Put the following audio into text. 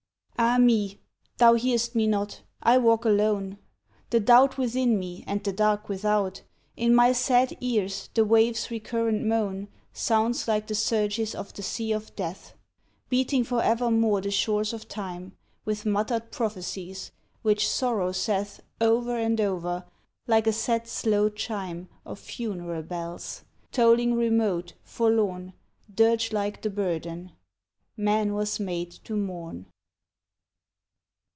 Ah me, thou hear'st me not: I walk alone. The doubt within me, and the dark without, In my sad ears, the waves' recurrent moan, Sounds like the surges of the sea of death, Beating for evermore the shores of time With muttered prophecies, which sorrow saith Over and over, like a set slow chime Of funeral bells, tolling remote, forlorn, Dirge like the burden "Man was made to mourn."